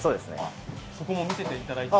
そこも見せていただいても？